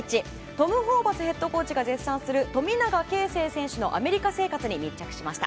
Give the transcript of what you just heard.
トム・ホーバスヘッドコーチが絶賛する富永啓生選手のアメリカ生活に密着しました。